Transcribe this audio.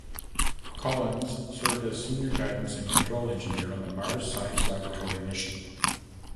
Collins served as senior guidance and control engineer on the Mars Science Laboratory mission.